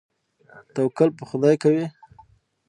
توکل په خدای کوئ؟